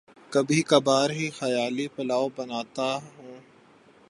کبھی کبھار ہی خیالی پلاو بناتا ہوں